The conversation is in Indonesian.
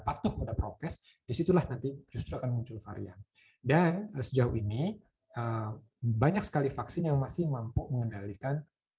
patuh moda progres disitulah nanti justru akan muncul varian dan sejauh ini banyak sekali vaksin